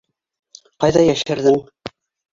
Ҡайҙа йәшерҙең?